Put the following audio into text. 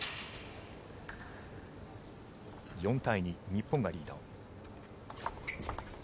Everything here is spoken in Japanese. ４対２日本がリード。